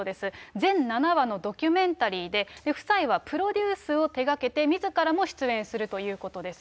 全７話のドキュメンタリーで、夫妻はプロデュースを手がけて、みずからも出演するということです。